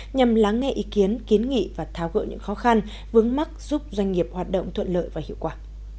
nhằm lắng nghe ý kiến kiến nghị và tháo gỡ những khó khăn vướng mắt giúp doanh nghiệp hoạt động thuận lợi và hiệu quả